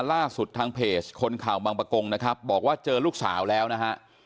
ล่าสุดทางเพจคนข่าวบางประกงนะครับบอกว่าเจอลูกสาวแล้วนะฮะ